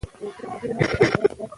که ټکي وي نو جمله نه ګډوډیږي.